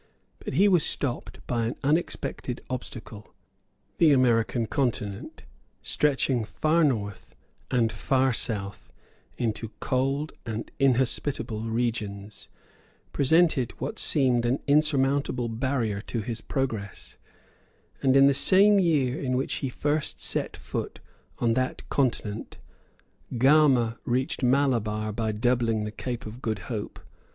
But he was stopped by an unexpected obstacle. The American continent, stretching far north and far south into cold and inhospitable regions, presented what seemed an insurmountable barrier to his progress; and, in the same year in which he first set foot on that continent, Gama reached Malabar by doubling the Cape of Good Hope.